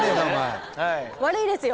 悪いですよ。